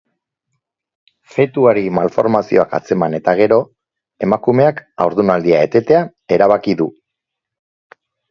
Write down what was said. Fetuari malformazioak atzeman eta gero, emakumeak haurdunaldia etetea erabaki du.